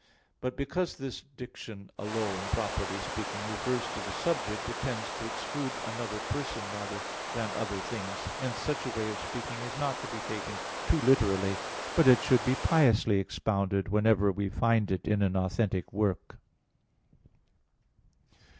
But because this diction "alone," properly speaking, refers to the subject, it tends to exclude another Person rather than other things. Hence such a way of speaking is not to be taken too literally, but it should be piously expounded, whenever we find it in an authentic work.